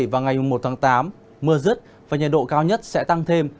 và ngày một tháng tám mưa rứt và nhiệt độ cao nhất sẽ tăng thêm